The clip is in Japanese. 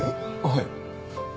はい。